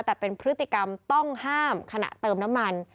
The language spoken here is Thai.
แต่เป็นพฤติกรรมต้องห้ามขณะเติมน้ำมัน